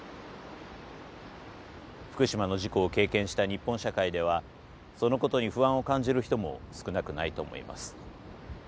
福島の事故を経験した日本社会ではそのことに不安を感じる人も少なくないと思います。